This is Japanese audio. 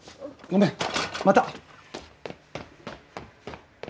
ごめんまた！